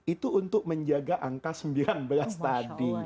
itu untuk menjaga angka sembilan belas tadi